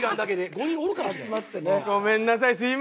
ごめんなさい。